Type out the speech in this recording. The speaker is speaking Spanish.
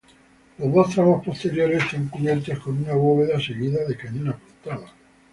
Los dos tramos posteriores están cubiertos con una bóveda seguida de cañón apuntado.